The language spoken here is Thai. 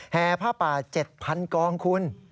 แห่ภาพป่า๗๐๐๐กองคุณ